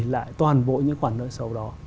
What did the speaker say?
lại toàn bộ những khoản nợ xấu đó